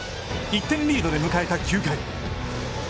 １点リードで迎えた９回。